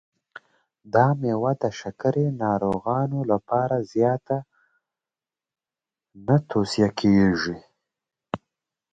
دا مېوه د شکرې ناروغانو لپاره زیاته نه توصیه کېږي.